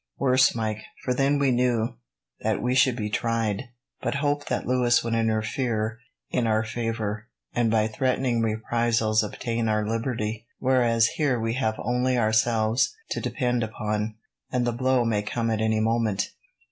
"Worse, Mike; for then we knew that we should be tried, but hoped that Louis would interfere in our favour, and by threatening reprisals obtain our liberty; whereas here we have only ourselves to depend upon, and the blow may come at any moment."